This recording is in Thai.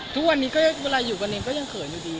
ทุกวันนี้ก็เวลาอยู่กันเองก็ยังเขินอยู่ดี